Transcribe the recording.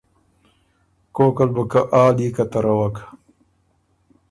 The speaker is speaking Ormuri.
کوک ال بو که آ لیکه تَرَوَک۔